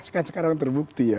sekarang sekarang terbukti ya